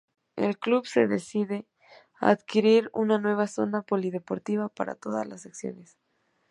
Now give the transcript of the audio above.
El club se decide a adquirir una nueva zona polideportiva para todas las secciones.